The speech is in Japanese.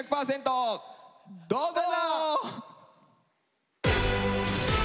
どうぞ！